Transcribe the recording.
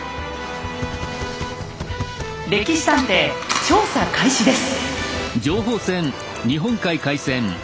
「歴史探偵」調査開始です。